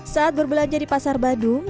saat berbelanja di pasar badung